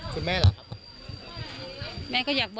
ต้องจับได้ครับ